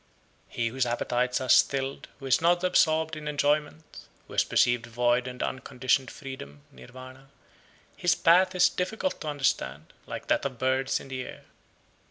93. He whose appetites are stilled, who is not absorbed in enjoyment, who has perceived void and unconditioned freedom (Nirvana), his path is difficult to understand, like that of birds in the air.